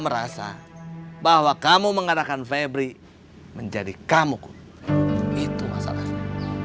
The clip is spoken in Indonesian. merasa bahwa kamu mengadakan febri menjadi kamu kum itu masalahnya